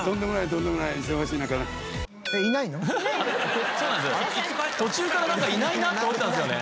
途中からなんかいないなって思ったんですよね。